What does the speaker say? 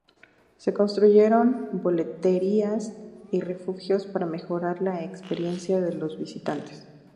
Se construyeron boleterías y refugios para mejorar la experiencia de los visitantes.